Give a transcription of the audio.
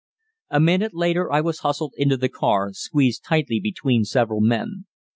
A minute later I was hustled into the car, squeezed tightly between several men.